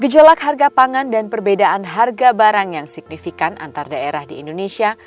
gejolak harga pangan dan perbedaan harga barang yang signifikan antar daerah di indonesia